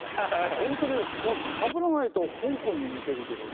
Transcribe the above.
本当にお前かぶらないとほんこんに似てるけどね。